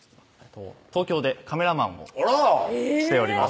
東京でカメラマンをしております